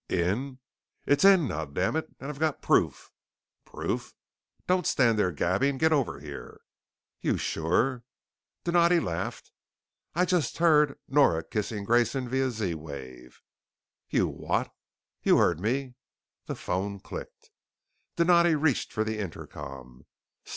"In?" "It's in, goddammit and I've got proof!" "Proof?" "Don't stand there gabbing. Get over here!" "You're sure?" Donatti laughed. "I've just heard Nora kissing Grayson via Z wave!" "You've what ?" "You heard me " The phone clicked. Donatti reached for the intercom.